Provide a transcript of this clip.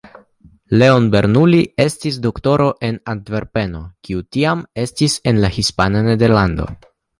Leon Bernoulli estis doktoro en Antverpeno, kiu tiam estis en la Hispana Nederlando.